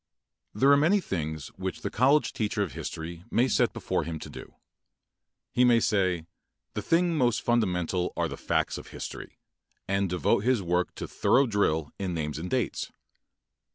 There are many things which the college teacher of history may set before him to do: He may say, "the things most fundamental are the facts of history," and devote his work to thorough drill in names and dates.